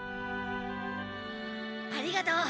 ありがとう。